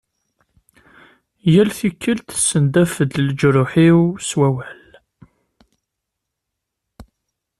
Yal tikelt tessendaf-d leǧruḥ-iw s wawal.